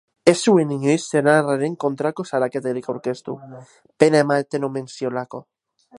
Ez zuen inoiz senarraren kontrako salaketarik aurkeztu, pena ematen omen ziolako.